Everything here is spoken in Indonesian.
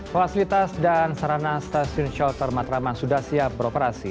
fasilitas dan sarana stasiun shelter matraman sudah siap beroperasi